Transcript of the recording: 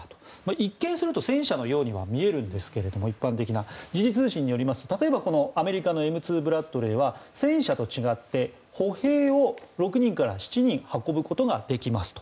一見すると戦車のように見えるんですが時事通信によりますと例えば、アメリカのＭ２ブラッドレーは戦車と違って歩兵を６人から７人運ぶことができますと。